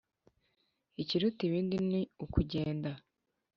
ikiruta ibindi ni ukugenda